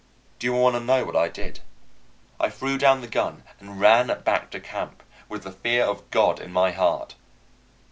Do you want to know what I did? I threw down the gun and ran back to camp with the fear of God in my heart.